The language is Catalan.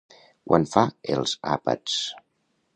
Quan fa els àpats?